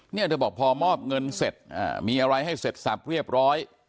เนี่ยเธอบอกพอมอบเงินเสร็จมีอะไรให้เสร็จสับเรียบร้อย